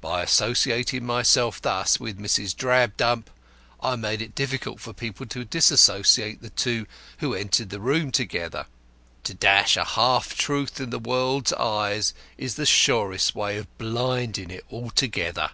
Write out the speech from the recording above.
By associating myself thus with Mrs. Drabdump I made it difficult for people to dissociate the two who entered the room together. To dash a half truth in the world's eyes is the surest way of blinding it altogether.